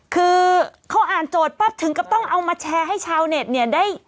คือเขาอ่านโจทย์ปั๊บถึงกับต้องเอามาแชร์ให้ชาวเน็ตเนี่ยได้